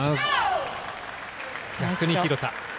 逆に廣田。